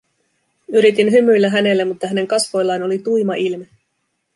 Yritin hymyillä hänelle, mutta hänen kasvoillaan oli tuima ilme.